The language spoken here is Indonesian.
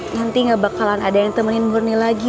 nanti gak bakalan ada yang temenin murni lagi